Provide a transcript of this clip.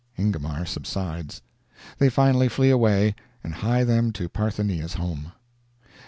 Ingomar subsides. They finally flee away, and hie them to Parthenia's home.